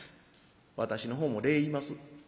私のほうも礼言います。